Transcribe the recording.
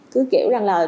cứ kiểu rằng là